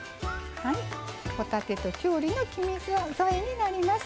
帆立てときゅうりの黄身酢添えになります。